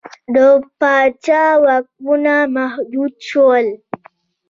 د پاچا واکونه محدود شول.